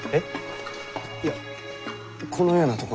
いやこのような所では。